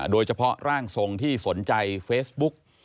โดยเฉพาะร่างทรงที่สนใจเฟซบุ๊ก